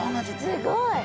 すごい。